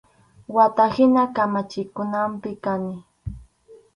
Wata hina kamachinkunapi kani.